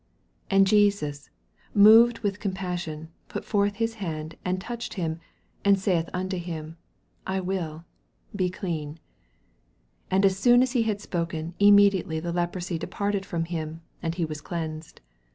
41 And Jesus, moved with compas sion, put forth his hand, and touched him, and saith unto him, I will; be thou clean. 42 And as soon as he had spoken, immediately the leprosy departed from him, and he was cleansed.